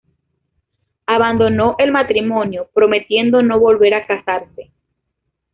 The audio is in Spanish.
Abandonó el matrimonio, prometiendo no volver a casarse.